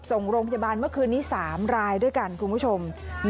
ส่งโรงพยาบาลเมื่อคืนนี้๓รายด้วยกันคุณผู้ชม